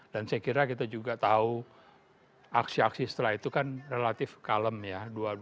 dan saya kira kita juga tahu aksi aksi setelah itu kan relatif kalem ya